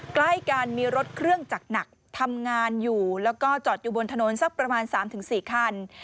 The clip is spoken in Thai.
ใกล้กันมีรถเครื่องจักรหนักทำงานอยู่แล้วก็จอดอยู่บนถนนสักประมาณ๓๔คัน